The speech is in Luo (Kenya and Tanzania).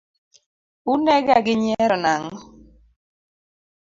Unega gi nyiero nang’o?